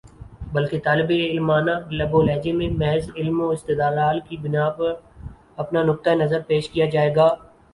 بلکہ طالبِ علمانہ لب و لہجے میں محض علم و استدلال کی بنا پر اپنا نقطۂ نظر پیش کیا جائے گا